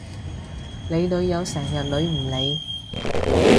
你女友成日女唔你？